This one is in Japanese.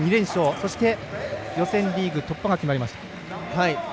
そして予選リーグ突破が決まりました。